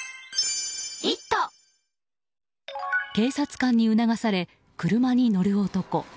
警察官に促され車に乗る男。